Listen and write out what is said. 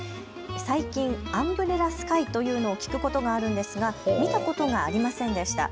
最近アンブレラスカイというのを聞くことがあるのですが見たことがありませんでした。